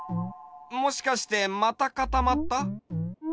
もしかしてまたかたまった？